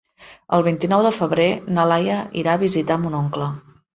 El vint-i-nou de febrer na Laia irà a visitar mon oncle.